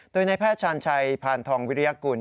โดยในแพทย์ชาญชัยพานทองวิริยกุล